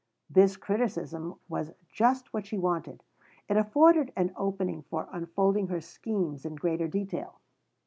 This criticism was just what she wanted; it afforded an opening for unfolding her schemes in greater detail.